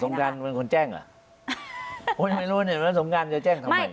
สงการเป็นคนแจ้งเหรอไม่รู้สงการจะแจ้งทำไม